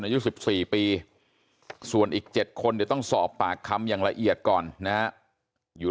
อายุ๑๔ปีส่วนอีก๗คนเดี๋ยวต้องสอบปากคำอย่างละเอียดก่อนนะฮะอยู่